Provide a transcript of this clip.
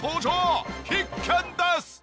必見です！